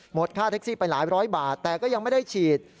ค่าแท็กซี่ไปหลายร้อยบาทแต่ก็ยังไม่ได้ฉีด